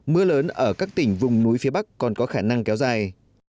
mưa lớn ở các tỉnh vùng núi phía bắc còn có khả năng kéo dài